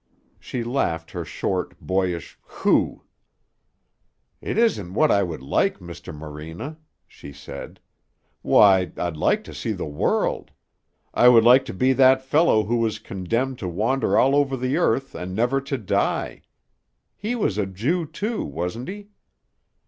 She laughed her short, boyish "Hoo!" "It isn't what I would like, Mr. Morena," she said. "Why, I'd like to see the world. I would like to be that fellow who was condemned to wander all over the earth and never to die. He was a Jew, too, wasn't he?"